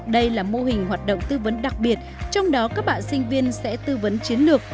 đây là mô hình hoạt động tư vấn đặc biệt trong đó các bạn sinh viên sẽ tư vấn chiến lược